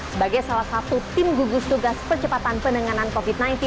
sebagai salah satu tim gugus tugas percepatan penanganan covid sembilan belas